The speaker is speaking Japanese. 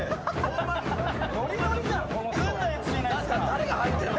誰が入ってんの？